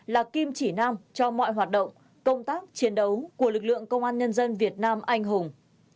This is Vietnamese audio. là kim chỉ nam cho mọi hoạt động công tác chiến đấu của lực lượng công an nhân dân việt nam anh hùng